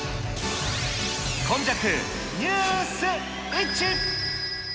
今昔ＮＥＷＳイッチ。